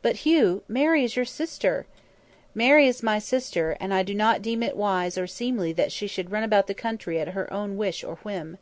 "But, Hugh, Mary is your sister!" "Mary is my sister, and I do not deem it wise or seemly that she should run about the country at her own wish or whim."